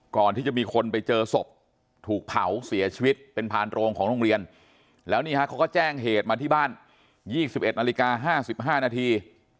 ก่อนที่จะมีคนไปเจอศพถูกเผาเสียชีวิตเป็นพานโรงของโรงเรียนแล้วนี่ฮะเขาก็แจ้งเหตุมาที่บ้าน๒๑นาฬิกา๕๕นาที